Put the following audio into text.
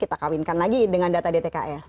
kita kawinkan lagi dengan data dtks